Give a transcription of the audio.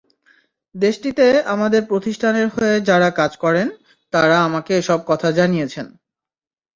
দেশটিতে আমাদের প্রতিষ্ঠানের হয়ে যাঁরা কাজ করেন, তাঁরা আমাকে এসব কথা জানিয়েছেন।